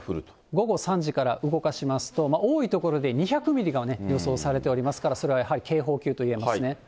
午後３時から動かしますと、多い所で２００ミリが予想されておりますから、それはやはり警報級と言えますね。